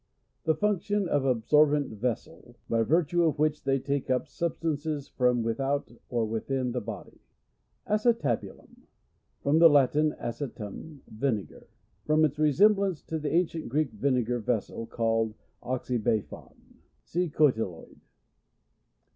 The function of absorbent vessels, by virtue of which they take up substances from with out or within the bo I v. Acetabulum. — From the Latin, ace turn, vinegar. From its resem blance to llie ancient Greek vinegar ve sel, called oxybuphon. (See Coty loid.)